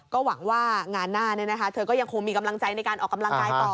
ก็หวังว่างานหน้าเธอก็ยังคงมีกำลังใจในการออกกำลังกายต่อ